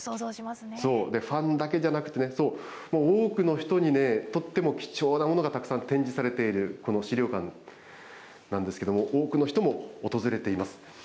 ファンだけじゃなくてね、多くの人にとっても、貴重なものがたくさん展示されている、この資料館なんですけれども、多くの人も訪れています。